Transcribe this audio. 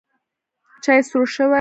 چای سوړ شوی